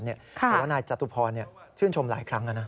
แสดงว่านายจัตุพรชื่นชมหลายครั้งน่ะนะ